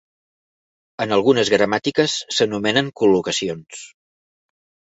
En algunes gramàtiques s'anomenen col·locacions.